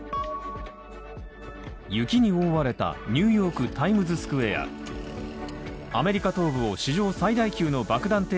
雪に追われたニューヨーク・タイムズスクエアアメリカ東部を史上最大級の爆弾